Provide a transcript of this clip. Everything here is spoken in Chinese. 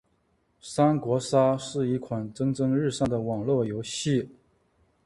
三国杀是一款蒸蒸日上的网络游戏。